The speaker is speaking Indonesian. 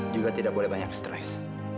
juga tidak boleh banyak stres